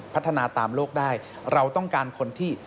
พัฒนาตามโลกได้เราต้องการคนที่